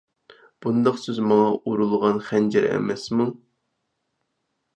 بۇنداق سۆز ماڭا ئۇرۇلغان خەنجەر ئەمەسمۇ.